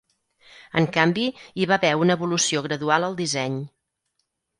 En canvi, hi va haver una evolució gradual al disseny.